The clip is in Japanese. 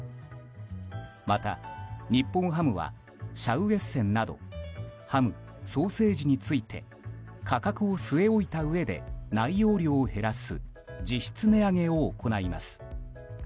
また、日本ハムはシャウエッセンなどハム、ソーセージについて価格を据え置いたうえで内容量を減らす実質値上げを行います。